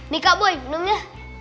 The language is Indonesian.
nih kak boy minumnya